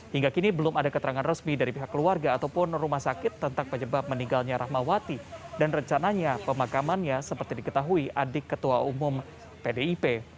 hingga kini belum ada keterangan resmi dari pihak keluarga ataupun rumah sakit tentang penyebab meninggalnya rahmawati dan rencananya pemakamannya seperti diketahui adik ketua umum pdip